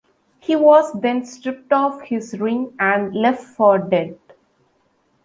He was then stripped of his ring and left for dead.